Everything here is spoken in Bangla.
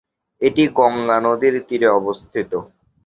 এটি গঙ্গা নদীর তীরে অবস্থিত।